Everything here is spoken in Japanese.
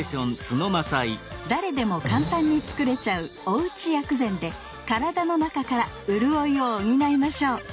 誰でも簡単に作れちゃう「おうち薬膳」で体の中からうるおいを補いましょう！